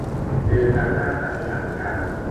คือคำว่า ปฏิบัติการ